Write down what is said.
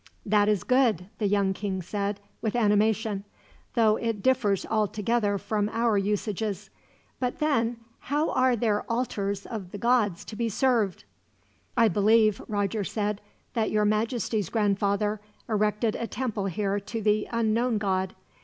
"That is good," the young king said, with animation; "though it differs altogether from our usages; but then, how are their altars of the gods to be served?" "I believe," Roger said, "that your Majesty's grandfather erected a temple here to the Unknown God.